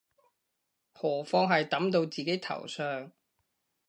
何況係揼到自己頭上